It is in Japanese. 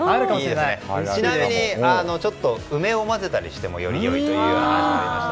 ちなみに、梅を混ぜたりしてもより良いという話でした。